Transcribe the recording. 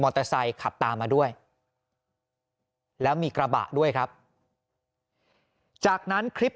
เตอร์ไซค์ขับตามมาด้วยแล้วมีกระบะด้วยครับจากนั้นคลิป